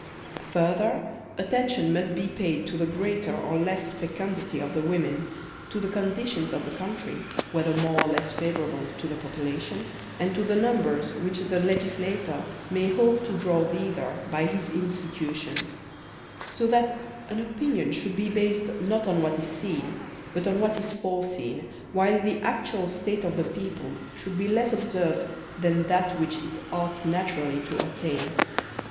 Further, attention must be paid to the greater or less fecundity of the women, to the conditions of the country, whether more or less favorable to the population, and to the num (4a) THE PEOPLE 43 bers which the legislator may hope to draw thither by his institutions; so that an opinion should be based not on what is seen, but on what is foreseen, while the actual state of the i>eople should be less observed than that which it ought naturally to attain.